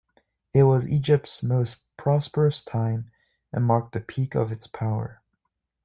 It was Egypt's most prosperous time and marked the peak of its power.